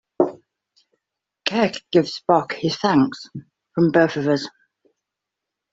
Kirk gives Spock his thanks - "from both of us".